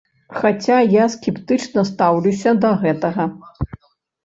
Хаця я скептычна стаўлюся да гэтага.